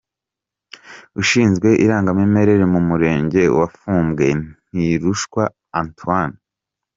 Ushinzwe irangamimerere mu murenge wa Fumbwe Ntirushwa Antoine,.